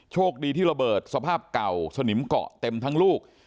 โชคดีที่ระเบิดสภาพเก่าสนิมเกาะเต็มทั้งลูก